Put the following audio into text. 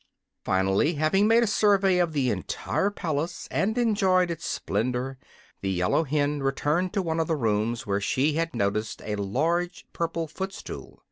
Finally, having made a survey of the entire palace and enjoyed its splendor, the yellow hen returned to one of the rooms where she had noticed a large purple footstool.